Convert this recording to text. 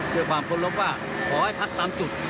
ด้วยความเคารพว่าขอให้พักตามจุด